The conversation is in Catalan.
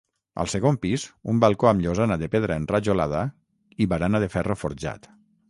Al segon pis, un balcó amb llosana de pedra enrajolada, i barana de ferro forjat.